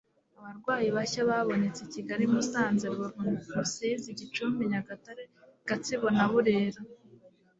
Abarwayi bashya babonetse i Kigali Musanze Rubavu Rusizi , Gicumbi Nyagatare: Gatsibo na Burera